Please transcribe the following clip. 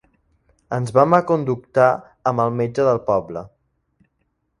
Ens vam aconductar amb el metge del poble.